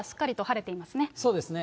そうですね。